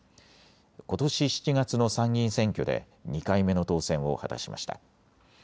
ことし７月の参議院選挙で２回目の当選を果たしました。